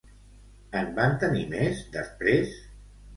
En va tenir més, després?